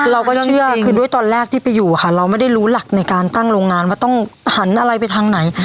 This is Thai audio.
เราก็เชื่อคือด้วยตอนแรกที่ไปอยู่ค่ะเราไม่ได้รู้หลักในการตั้งโรงงานว่าต้องหันอะไรไปทางไหน